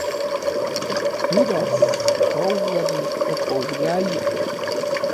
Yudas touan opouiaya.